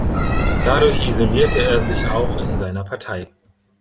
Dadurch isolierte er sich auch in seiner Partei.